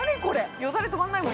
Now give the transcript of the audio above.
よだれ止まんないもん